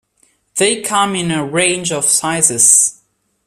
They come in a range of sizes.